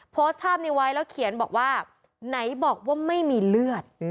โพสต์ภาพนี้ไว้แล้วเขียนบอกว่าไหนบอกว่าไม่มีเลือด